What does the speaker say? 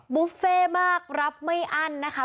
บุฟเฟ่มากรับไม่อั้นนะคะ